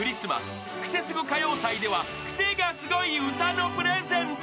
［クセスゴ歌謡祭ではクセがスゴい歌のプレゼント］